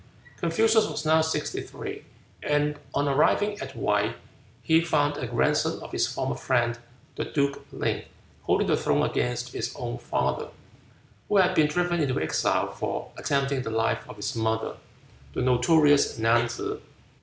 Confucius was now sixty three, and on arriving at Wei he found a grandson of his former friend, the duke Ling, holding the throne against his own father, who had been driven into exile for attempting the life of his mother, the notorious Nan tsze.